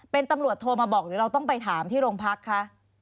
เป็นตำรวจโทรมาบอกหรือเราต้องไปถามที่โรงพักคะ